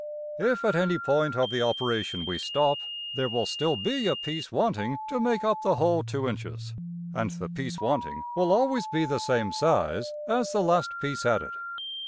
If at any point of the operation \DPPageSep{196.png}% we stop, there will still be a piece wanting to make up the whole $2$~inches; and the piece wanting will always be the same size as the last piece added.